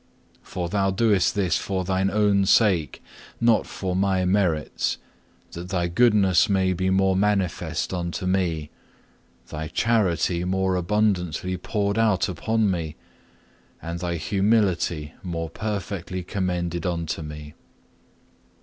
For Thou doest this for Thine own sake, not for my merits, that Thy goodness may be more manifest unto me, Thy charity more abundantly poured out upon me, and Thy humility more perfectly commended unto me.